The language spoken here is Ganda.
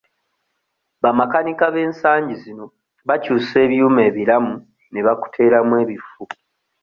Bamakanika b'ensangi zino bakyusa ebyuma ebiramu ne bakuteeramu ebifu.